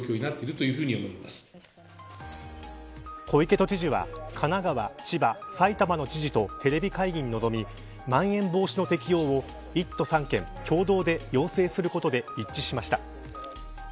小池都知事は神奈川、千葉、埼玉の知事とテレビ会議に臨みまん延防止の適用を１都３県共同で要請することで一致しました。